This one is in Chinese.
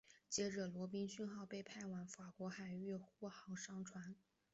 接着罗宾逊号被派往法国海域护航商船。